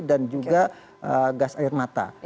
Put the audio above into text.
dan juga gas air mata